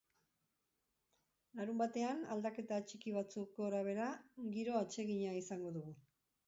Larunbatean, aldaketa txiki batzuk gora behera, giro atsegina izango dugu.